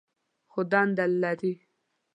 خو دنده لري.